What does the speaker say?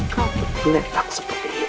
kau berpenetak seperti ini